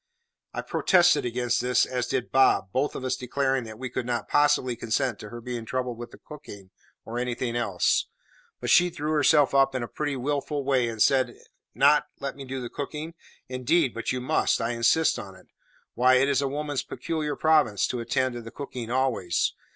I protested against this, as did Bob, both of us declaring that we could not possibly consent to her being troubled with the cooking or anything else; but she drew herself up in a pretty wilful way and said, "Not let me do the cooking? Indeed, but you must; I insist on it. Why, it is woman's peculiar province to attend to the cooking always.